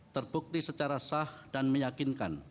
terbukti secara sah dan meyakinkan